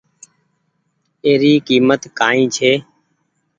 اي ري ڪيمت ڪآئي ڇي۔